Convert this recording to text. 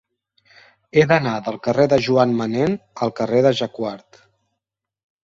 He d'anar del carrer de Joan Manén al carrer de Jacquard.